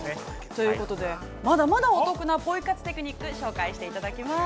◆ということで、まだまだお得なポイ活テクニック、紹介していただきます。